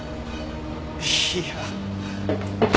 いや。